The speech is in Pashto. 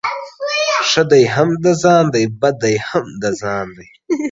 ښه دي هم د ځان دي ، بد دي هم د ځآن.